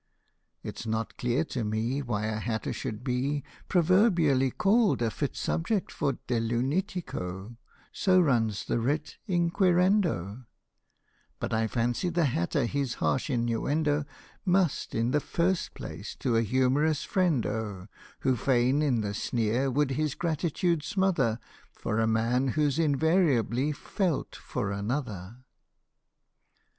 [It's not clear to me Why a hatter should be Proverbially called a fit subject for De Lunatico so runs the writ inquirendo ; But I fancy the hatter this harsh innuendo Must, in the first place, to a humorous friend owe, Who fain in the sneer would his gratitude smother For a man who 's invariably felt for another.